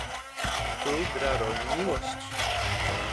"Tu gra rolę miłość."